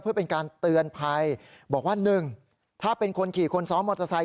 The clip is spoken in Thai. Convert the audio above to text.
เพื่อเป็นการเตือนภัยบอกว่า๑ถ้าเป็นคนขี่คนซ้อนมอเตอร์ไซค